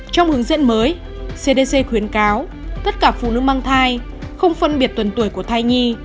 trong hướng dẫn mới cdc khuyến cáo tất cả phụ nữ mang thai không phân biệt tuần tuổi của thai nhi